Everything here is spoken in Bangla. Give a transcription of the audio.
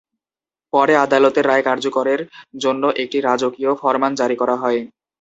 পরে আদালতের রায় কার্যকরের জন্য একটি রাজকীয় ফরমান জারি করা হয়।